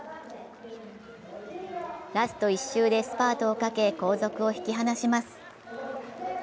ラスト１周でスパートをかけ、後続を引き離します。